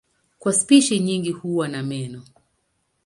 Kwa spishi nyingi huwa na meno.